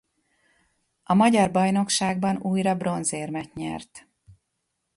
A magyar bajnokságban újra bronzérmet nyert.